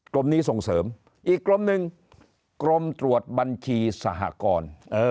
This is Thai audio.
กรมนี้ส่งเสริมอีกกรมหนึ่งกรมตรวจบัญชีสหกร